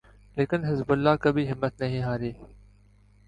لیکن Hezbollah کبھی ہمت نہیں ہاری۔